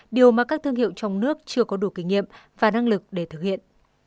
điều mà các thương hiệu trong nước chưa có đủ kinh nghiệm và năng lực để thực hiện